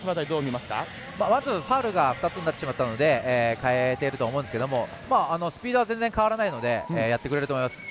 まずはファウルが２つになってしまったので代えていると思うんですがスピードは全然変わらないのでやってくれると思います。